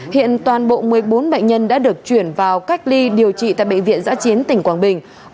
hiện toàn bộ một mươi bốn bệnh nhân đã được chuyển vào cách ly điều trị tại bệnh viện giã chiến tỉnh quảng bình